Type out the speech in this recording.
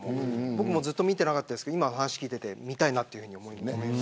僕もずっと見てなかったですけど今の話を聞いていて見たいなと思いました。